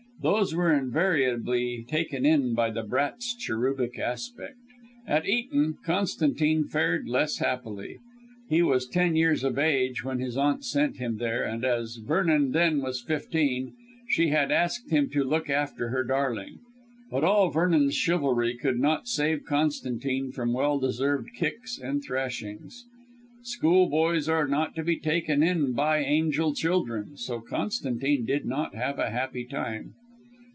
Those were invariably taken in by the brat's cherubic aspect. At Eton, Constantine fared less happily. He was ten years of age when his aunt sent him there, and, as Vernon then was fifteen, she had asked him to look after her darling. But all Vernon's chivalry could not save Constantine from well deserved kicks and thrashings. Schoolboys are not to be taken in by angel children, so Constantine did not have a happy time.